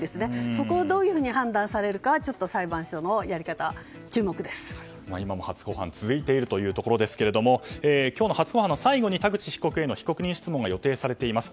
そこをどういうふうに裁判所が判断するか今も初公判が続いているということですが今日の初公判の最後に田口被告への被告人質問が予定されています。